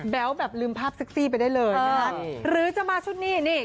แบบลืมภาพเซ็กซี่ไปได้เลยนะคะหรือจะมาชุดนี้นี่